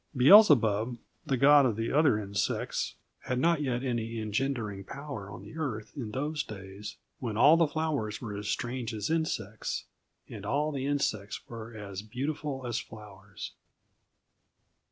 Beelzebub, the god of the other insects, had not yet any engendering power on the earth in those days, when all the flowers were as strange as insects and all the insects were as beautiful as flowers.